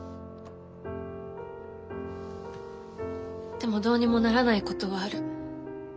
でもどうにもならないことはある。